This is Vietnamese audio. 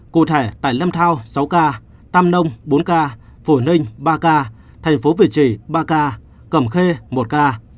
cụ thể tại lâm thao sáu ca tam nông bốn ca phổ ninh ba ca thành phố việt trì ba ca cầm khê một ca